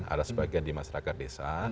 ada sebagian di masyarakat desa